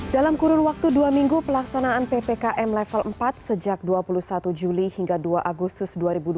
dalam kurun waktu dua minggu pelaksanaan ppkm level empat sejak dua puluh satu juli hingga dua agustus dua ribu dua puluh